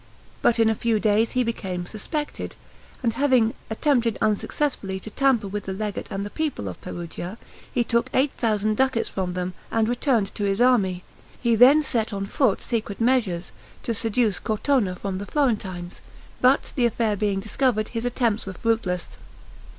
But in a few days he became suspected, and having attempted unsuccessfully to tamper with the legate and people of Perugia, he took eight thousand ducats from them, and returned to his army. He then set on foot secret measures, to seduce Cortona from the Florentines, but the affair being discovered, his attempts were fruitless.